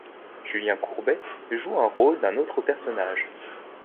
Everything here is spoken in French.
Julien Courbey joue un rôle d'un autre personnage.